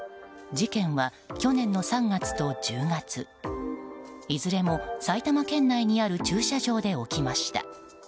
事件は去年の３月と１０月いずれも埼玉県内にある駐車場で起きました。